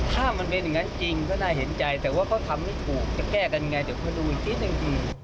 ถ้ามันเป็นอย่างนั้นจริงก็น่าเห็นใจแต่ว่าเขาทำไม่ถูกจะแก้กันไงเดี๋ยวมาดูอีกนิดนึง